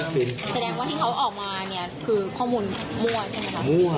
แสดงว่าที่เขาออกมาเนี่ยคือข้อมูลมั่วใช่ไหมคะ